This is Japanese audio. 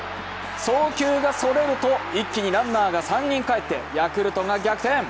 送球がそれると一気にランナーが３人帰ってヤクルトが逆転。